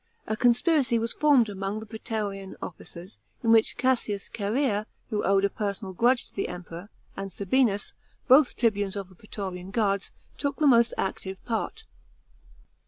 A conspiracy was formed among the pra?t"rian officers, in which Cassias Chserea, who owed a | ersonal grudge to the Emperor, and Sabinus, both tribunes of the praetorian guards, took the most active part.